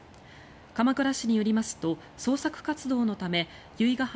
鎌倉市によりますと捜索活動のため由比ガ浜